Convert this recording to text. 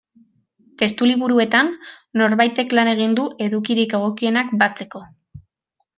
Testu liburuetan norbaitek lan egin du edukirik egokienak batzeko.